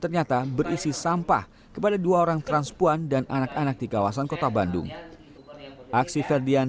ternyata berisi sampah kepada dua orang transpuan dan anak anak di kawasan kota bandung aksi ferdian